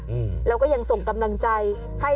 เบื้องต้น๑๕๐๐๐และยังต้องมีค่าสับประโลยีอีกนะครับ